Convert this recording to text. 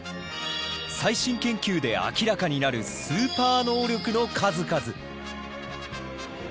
最新研究で明らかになるスーパー能力の数々！